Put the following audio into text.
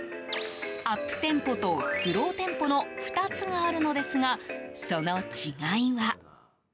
アップテンポとスローテンポの２つがあるのですがその違いは。